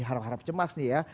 harap harap cemas nih ya